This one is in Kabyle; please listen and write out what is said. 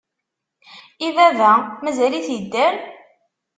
I baba? Mazal-it idder?